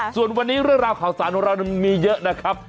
ส่วนวันนี้เรื่องราวข่าวสารของเรามันมีเยอะนะครับ